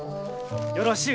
よろしゅう